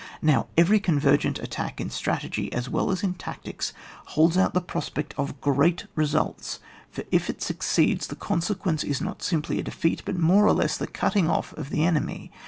Now, every convergent attack in stra tegy, as weU as in tactics, holds out the prospect of grtat results ; for if it suc ceeds, the consequence is not simply a defeat, but more or less the cutting off of the enemy.